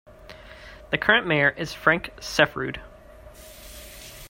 The current mayor is Frank Seffrood.